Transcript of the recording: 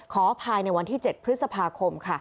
ขอภายในวันที่๗พฤษภาคม